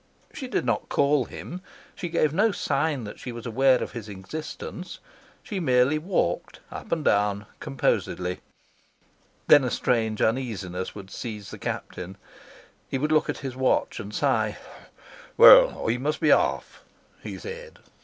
She did not call him; she gave no sign that she was aware of his existence; she merely walked up and down composedly. Then a strange uneasiness would seize the Captain; he would look at his watch and sigh. "Well, I must be off," he said.